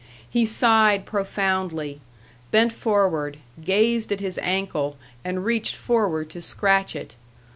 He sighed profoundly, bent forward, gazed at his ankle, and reached forward to scratch it.